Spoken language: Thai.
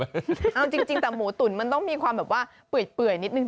ตอนจริงแต่หมูตุ๋นมันต้องมีความเป่ยนิดนึง